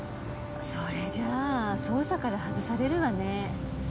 それじゃあ捜査から外されるわね。